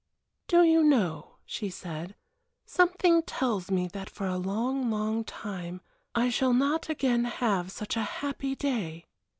"Do you know," she said, "something tells me that for a long, long time I shall not again have such a happy day.